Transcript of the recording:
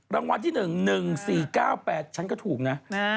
รางวัลที่๑๑๔๙๘ฉันก็ถูกนะ